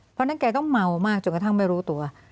เพราะฉะนั้นแกต้องเมามากจนกระทั่งไม่รู้ตัว